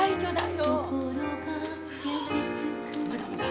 まだまだ。